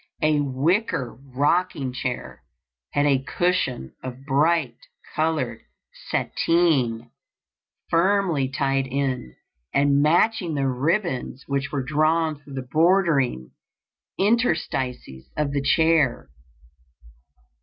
A wicker rocking chair had a cushion of bright colored satine firmly tied in, and matching the ribbons which were drawn through the bordering interstices of the chair.